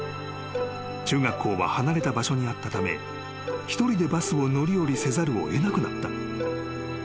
［中学校は離れた場所にあったため一人でバスを乗り降りせざるを得なくなった］